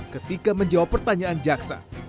ketika menjawab pertanyaan jaksa